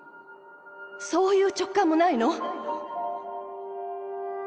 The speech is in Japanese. そういう直感もないの？